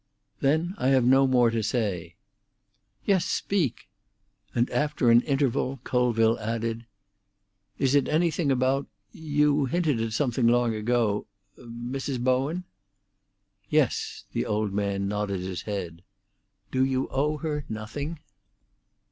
"Then I have no more to say." "Yes, speak!" And after an interval Colville added, "Is it anything about—you hinted at something long ago—Mrs. Bowen?" "Yes;" the old man nodded his head. "Do you owe her nothing?"